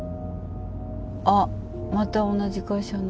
あっまた同じ会社の。